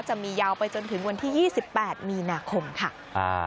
จะมียาวไปจนถึงวันที่๒๘มีนาคมค่ะ